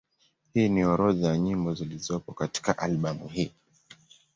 Hii ni orodha ya nyimbo zilizopo katika albamu hii.